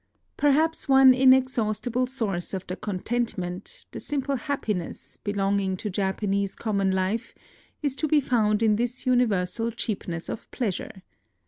Perhaps one inexhaustible source of the contentment, the simple happiness, belonging to Japanese common life is to be found in this universal cheapness of pleasure.